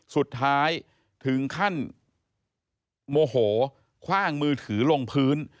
สุดท้ายถึงขั้นโมโหคว่างมือถือลงพื้น